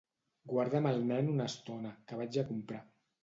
Guarda'm el nen una estona, que vaig a comprar.